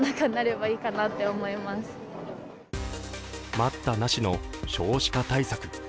待ったなしの少子化対策。